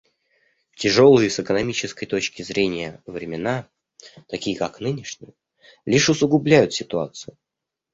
Тяжелые с экономической точки зрения времена, такие как нынешние, лишь усугубляют ситуацию.